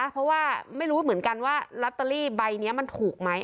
เพราะว่าไม่รู้เหมือนกันว่าลอตเตอรี่ใบนี้มันถูกไหม